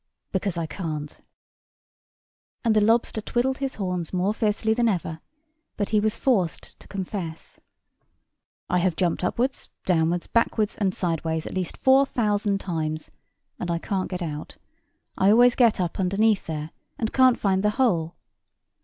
"Because I can't:" and the lobster twiddled his horns more fiercely than ever, but he was forced to confess. "I have jumped upwards, downwards, backwards, and sideways, at least four thousand times; and I can't get out: I always get up underneath there, and can't find the hole."